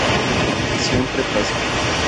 Siempre pasa".